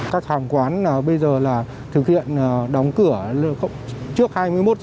các hàng quán bây giờ là thực hiện đóng cửa trước hai mươi một h